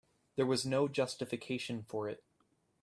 There was no justification for it.